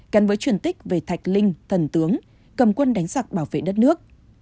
gắn với truyền tích về thạch linh thần tướng cầm quân đánh sạc bảo vệ đất nước